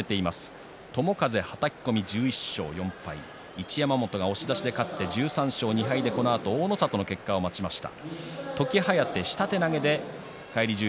一山本が押し出しで勝って１３勝２敗で大の里の結果を待ちました。